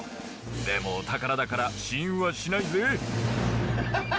でもお宝だから試飲はしないぜ。